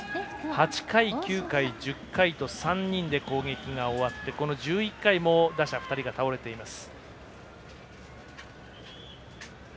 ８回、９回、１０回と３人で攻撃が終わってこの１１回も打者が２人が倒れています。